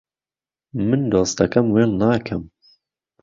من دۆستەکەم وێڵ ناکەم